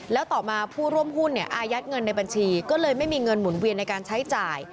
แล้วต่อมาผู้ร่วมหุ้นเนี่ยอายัดเงินในบัญชีก็เลยไม่มีเงินหมุนเวียนในการใช้จ่าย